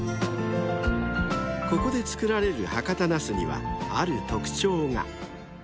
［ここで作られる博多なすにはある特徴が］